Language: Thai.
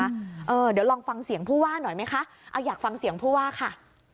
เดี๋ยวลองฟังเสียงผู้ว่าหน่อยไหมคะเอาอยากฟังเสียงผู้ว่าค่ะ